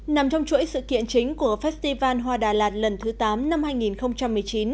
nằm trong chuỗi sự kiện chính của festival hoa đà lạt lần thứ tám năm hai nghìn một mươi chín